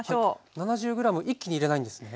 ７０ｇ一気に入れないんですね？